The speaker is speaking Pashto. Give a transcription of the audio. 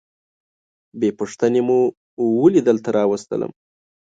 بې پوښتنې مو ولي دلته راوستلم؟